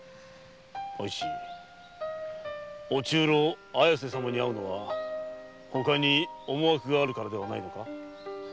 おいち中臈綾瀬様に会うのはほかに思惑があるからではないのか？